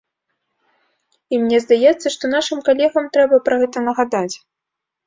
І мне здаецца, што нашым калегам трэба пра гэта нагадаць.